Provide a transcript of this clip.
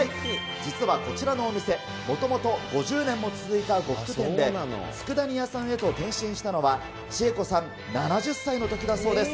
実はこちらのお店、もともと５０年も続いた呉服店で、つくだ煮屋さんへと転身したのは、千恵子さん７０歳のときだそうです。